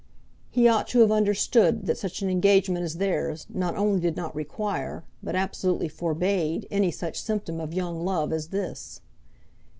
He ought to have understood that such an engagement as theirs not only did not require, but absolutely forbade, any such symptom of young love as this.